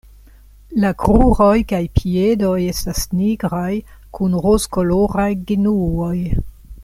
La kruroj kaj piedoj estas nigraj kun rozkoloraj genuoj.